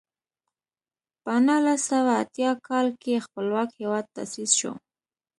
په نولس سوه اتیا کال کې خپلواک هېواد تاسیس شو.